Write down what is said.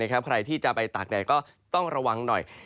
ใครที่จะไปตากแดดก็ต้องระวังหน่อย